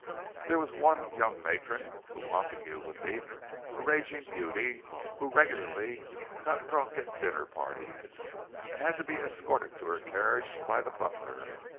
There was one young matron whom Montague would meet, a raging beauty, who regularly got drunk at dinner parties, and had to be escorted to her carriage by the butler.